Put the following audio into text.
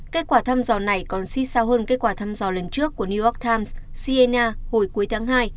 kết quả thăm dò này còn si sao hơn kết quả thăm dò lần trước của new york times siena hồi cuối tháng hai